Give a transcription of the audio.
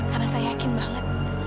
karena saya yakin banget